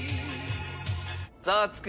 ザワつく！